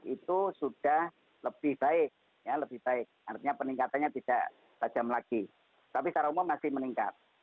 itu sudah lebih baik lebih baik artinya peningkatannya tidak tajam lagi tapi secara umum masih meningkat